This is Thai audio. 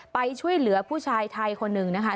ไปช่วยเหลือผู้ชายไทยคนหนึ่งนะคะ